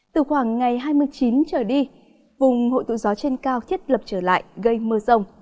từ khoảng ngày hai mươi chín trở đi vùng hội tụ gió trên cao thiết lập trở lại gây mưa rông